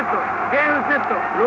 ゲームセット！